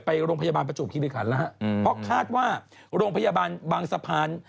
ไปโรงพยาบาลประจวบคิริขันแล้วฮะเพราะคาดว่าโรงพยาบาลบางสะพาน